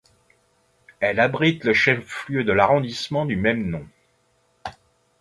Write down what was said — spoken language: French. Elle abrite le chef-lieu de l'arrondissement du même nom.